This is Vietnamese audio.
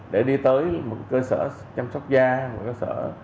để đi tới một cơ sở chăm sóc da một cơ sở